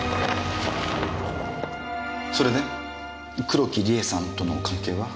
それで黒木梨絵さんとの関係は？